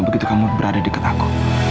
begitu kamu berada di dekat aku